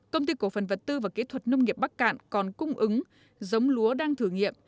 công ty cổ phần vật tư và kỹ thuật nông nghiệp bắc cạn còn cung ứng giống lúa đang thử nghiệm